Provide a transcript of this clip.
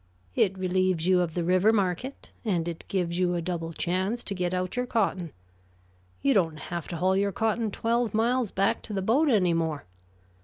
It relieves you of the river market, and it gives you a double chance to get out your cotton. You don't have to haul your cotton twelve miles back to the boat any more.